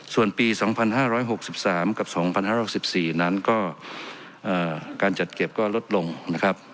ส่วนปี๒๕๖๓กับ๒๕๖๔นั้นก็การจัดเก็บก็ลดลงนะครับ